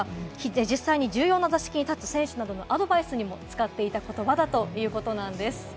実際に重要な打席に立つ選手などへのアドバイスにも使っていた言葉だということです。